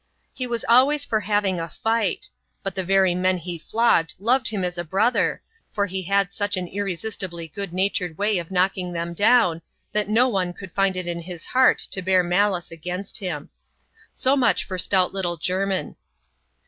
He was always for having a fight ; but the very men he flogged loved him as a brother, for he had such an irresistibly good natured way of knocking them down, that no one could find it in his heart to bear malice against him. So much for stout little Jermin.